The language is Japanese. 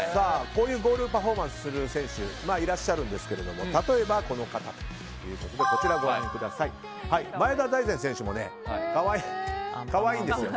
こういうゴールパフォーマンスをする選手いらっしゃるんですけども例えば、この方ということで前田大然選手も可愛いんですよ。